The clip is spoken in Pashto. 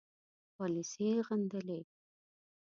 پالیسي یې غندلې.